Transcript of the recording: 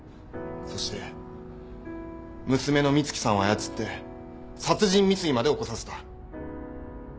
そして娘の美月さんを操って殺人未遂まで起こさせた。